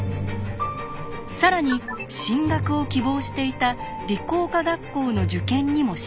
更に進学を希望していた理工科学校の受験にも失敗。